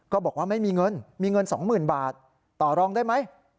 บอกว่าไม่มีเงินมีเงิน๒๐๐๐บาทต่อรองได้ไหม